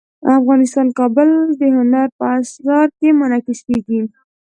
افغانستان کې کابل د هنر په اثار کې منعکس کېږي.